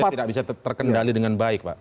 tidak bisa terkendali dengan baik pak